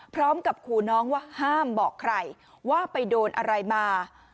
พร้อมกับขู่น้องว่าห้ามบอกใครว่าไปโดนอะไรมา